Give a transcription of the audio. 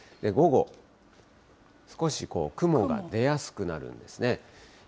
午後、少し雲が出やすくなるんですね。